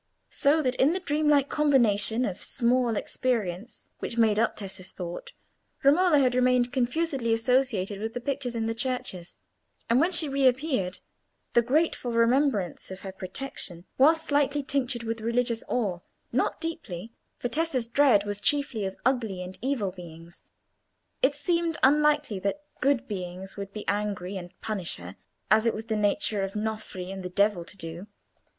So that in the dreamlike combination of small experience which made up Tessa's thought, Romola had remained confusedly associated with the pictures in the churches, and when she reappeared, the grateful remembrance of her protection was slightly tinctured with religious awe—not deeply, for Tessa's dread was chiefly of ugly and evil beings. It seemed unlikely that good beings would be angry and punish her, as it was the nature of Nofri and the devil to do.